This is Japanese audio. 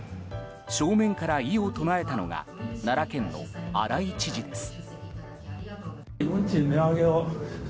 正面から異を唱えたのが奈良県の荒井知事です。